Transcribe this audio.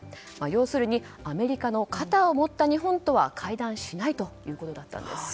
要するにアメリカの肩を持った日本とは会談しないということだったんです。